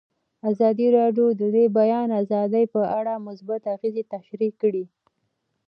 ازادي راډیو د د بیان آزادي په اړه مثبت اغېزې تشریح کړي.